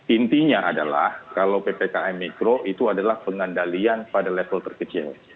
intinya adalah kalau ppkm mikro itu adalah pengendalian pada level terkecil